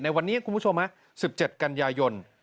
วันนี้คุณผู้ชม๑๗กันยายน